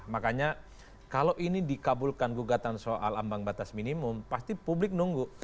makanya kalau ini dikabulkan gugatan soal ambang batas minimum pasti publik nunggu